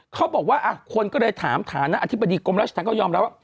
เขาบอกว่าคนก็เลยถามฐานะอธิบดีกรมราชธรรมก็ยอมรับว่า